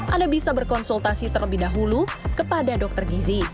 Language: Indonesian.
anda bisa berkonsultasi terlebih dahulu kepada dokter gizi